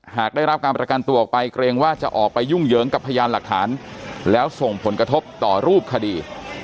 หากได้รับการประกันตัวออกไปเกรงว่าจะออกไปยุ่งเหยิงกับพยานหลักฐานแล้วส่งผลกระทบต่อรูปคดี